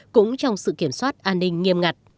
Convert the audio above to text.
cũng trong sự kiểm soát an ninh nghiêm ngặt